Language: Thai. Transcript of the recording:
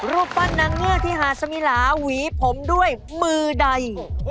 รูปปั้นนางเงือที่หาดสมิลาหวีผมด้วยมือใด